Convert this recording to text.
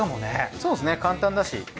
そうですね簡単だし。